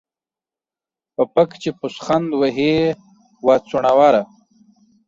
په پک چې پوسخند وهې ، وا څوڼوره.